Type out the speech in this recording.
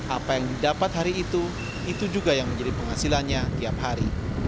apa yang didapat hari itu itu juga yang menjadi penghasilannya tiap hari